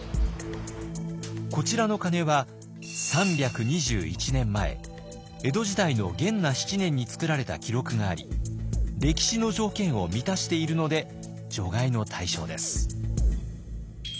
こちらの鐘は３２１年前江戸時代の元和７年に作られた記録があり歴史の条件を満たしているので除外の対象です。